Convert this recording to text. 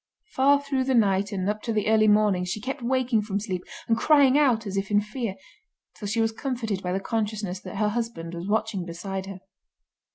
Far through the night and up to the early morning she kept waking from sleep and crying out as if in fear, till she was comforted by the consciousness that her husband was watching beside her.